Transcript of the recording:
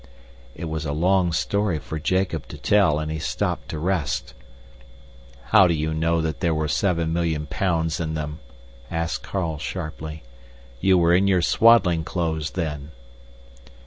It was a long story for Jacob to tell, and he stopped to rest. "How do you know there were seven million pounds in them?" asked Carl sharply. "You were in your swaddling clothes then."